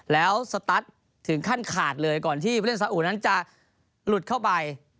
แล้วสตัสถึงขั้นขาดเลยก่อนที่ผู้เล่นสาอุนั้นจะหลุดเข้าไป